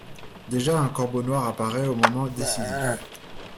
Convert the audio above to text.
Déjà, un corbeau noir apparaît aux moments décisifs.